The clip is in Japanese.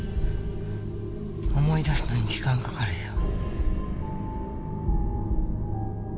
思い出すのに時間かかるよ。